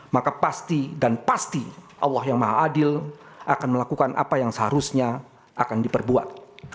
maka pasti dan pasti allah yang maha adil akan melakukan apa yang seharusnya akan diperbuat